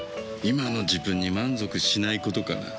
今の自分に満足しないことかな。